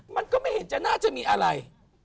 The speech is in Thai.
มันก็ไม่เห็นจะน่าจะมีอะไร